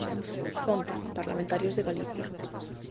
Fonte: Parlamentarios de Galicia.